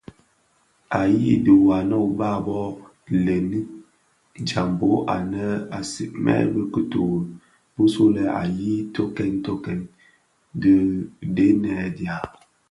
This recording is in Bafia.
Hei dhi wanne ubaa bō: lènni, jambhog anèn a sigmèn bi kituri bisulè ǎyi tokkèn tokkèn dhidenèn dya.